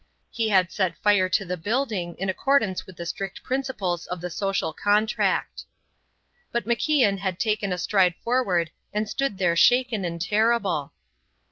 He had set fire to the building in accordance with the strict principles of the social contract. But MacIan had taken a stride forward and stood there shaken and terrible.